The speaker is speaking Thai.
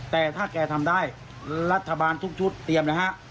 แต่ถ้าแกทำได้รัฐบาลทุกชุดเตรียมนะฮะ